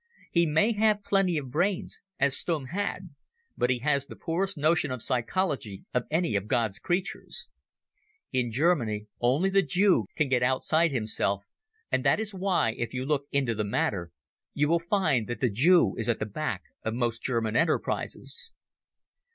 He may have plenty of brains, as Stumm had, but he has the poorest notion of psychology of any of God's creatures. In Germany only the Jew can get outside himself, and that is why, if you look into the matter, you will find that the Jew is at the back of most German enterprises.